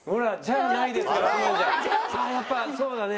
ああやっぱそうだね。